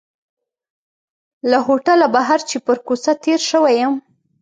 له هوټله بهر چې پر کوڅه تېر شوی یم.